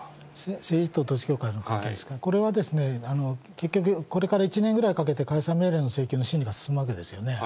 政治と統一教会の関係ですか、これはですね、結局、これから１年ぐらいかけて解散命令の請求の審理が進むわけですよね。